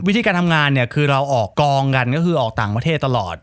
วิธีการทำงานเนี่ยคือเราออกกองกันก็คือออกต่างประเทศตลอด